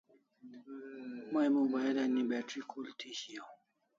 May mobile ani battery khul thi shiaw